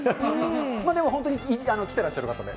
でも本当に来てらっしゃる方で。